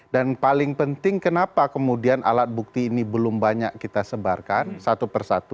dan paling penting kenapa kemudian alat bukti ini belum banyak kita sebarkan satu per satu